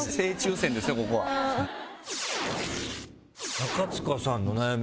中務さんの悩み